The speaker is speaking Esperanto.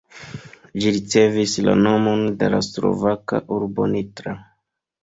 Ĝi ricevis la nomon de la slovaka urbo Nitra.